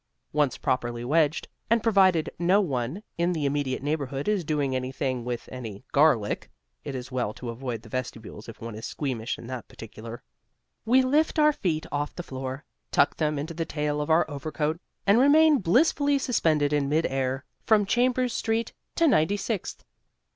Once properly wedged, and provided no one in the immediate neighbourhood is doing anything with any garlic (it is well to avoid the vestibules if one is squeamish in that particular) we lift our feet off the floor, tuck them into the tail of our overcoat, and remain blissfully suspended in midair from Chambers Street to Ninety sixth.